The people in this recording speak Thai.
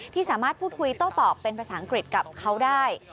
ที่สามารถพูดคุยโต้ตอบเป็นภาษาอังกฤษกับเขาได้